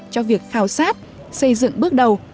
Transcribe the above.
cho việc khảo sát xây dựng bước đầu